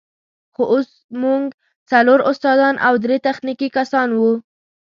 خو اوس موږ څلور استادان او درې تخنیکي کسان وو.